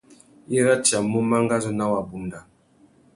I ratiamú mangazú nà wabunda.